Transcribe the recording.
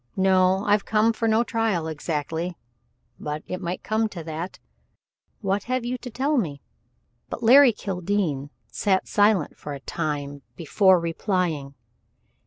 No, I've come for no trial exactly maybe it might come to that ? What have you to tell me?" But Larry Kildene sat silent for a time before replying.